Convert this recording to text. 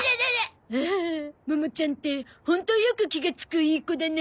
アハモモちゃんってホントよく気がつくいい子だね。